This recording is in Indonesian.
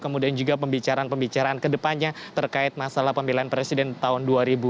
kemudian juga pembicaraan pembicaraan ke depannya terkait masalah pemilihan presiden tahun dua ribu sembilan belas